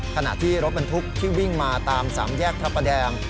ขณะที่รถบรรทุกที่วิ่งมาตามสามแยกพระประแดง